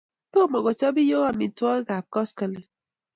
Tomo kochob iyoo amaitwogik ab koskoliny